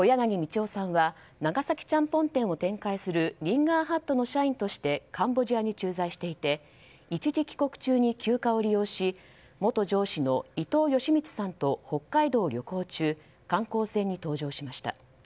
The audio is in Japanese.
宝夫さんは長崎ちゃんぽん店を展開するリンガーハットの社員としてカンボジアに駐在していて一時帰国中に休暇を利用し元上司の伊藤嘉通さんと北海道を旅行中観光船に登場しました。